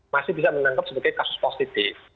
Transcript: masih bisa menangkap sebagai kasus positif